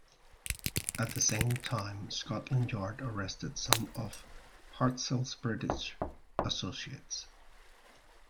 At the same time, Scotland Yard arrested some of Hartzell's British associates.